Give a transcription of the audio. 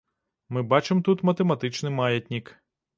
Мы бачым тут матэматычны маятнік.